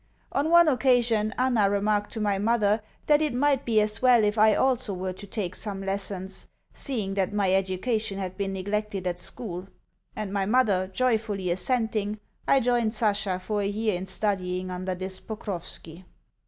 On one occasion Anna remarked to my mother that it might be as well if I also were to take some lessons, seeing that my education had been neglected at school; and, my mother joyfully assenting, I joined Sasha for a year in studying under this Pokrovski.